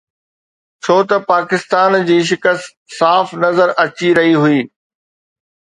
ڇو ته پاڪستان جي شڪست صاف نظر اچي رهي هئي